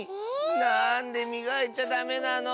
なんでみがいちゃダメなの？